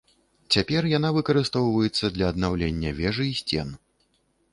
Цяпер яна выкарыстоўваецца для аднаўлення вежы і сцен.